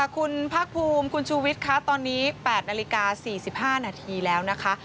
คุณภาคภูมิคุณชูวิทย์คะตอนนี้๘นาฬิกา๔๕นาทีแล้วนะคะ